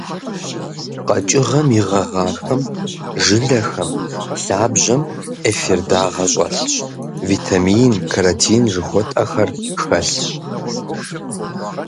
Къэкӏыгъэм и гъэгъахэм, жылэхэм, лъабжьэм эфир дагъэ щӏэлъщ, витмаин, каротин жыхуэтӏэхэр хэлъщ.